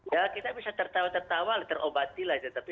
ya kita bisa tertawa tertawa terobati lah gitu